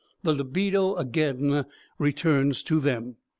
The libido again returns to them.